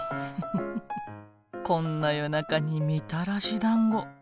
こんな夜中にみたらしだんご。